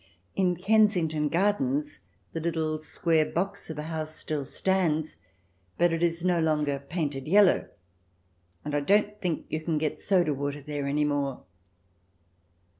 In Ken sington Gardens the little square box of a house still stands, but it is no longer painted yellow, and I don't think you can get soda water there any more.